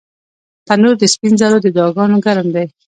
تنور د سپین زرو د دعاګانو ګرم دی